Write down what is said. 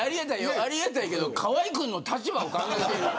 ありがたいけど河合君の立場を考えて。